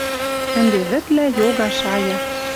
Ӹнде вӹдлӓ йога шая.